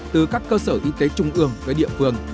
từ các cơ sở y tế trung ương tới địa phương